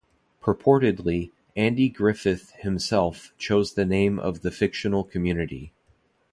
Purportedly, Andy Griffith himself chose the name of the fictional community.